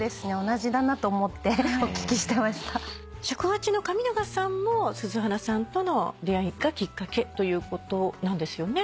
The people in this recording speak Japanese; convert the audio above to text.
尺八の神永さんも鈴華さんとの出会いがきっかけということなんですよね？